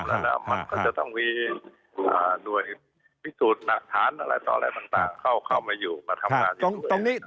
มันก็จะต้องมีหน่วยพิสูจน์หนักฐานอะไรต่อแล้วต่างเข้าเข้ามาอยู่มาทำงานอยู่ด้วย